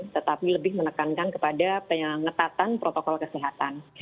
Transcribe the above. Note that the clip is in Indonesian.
tetapi lebih menekankan kepada pengetatan protokol kesehatan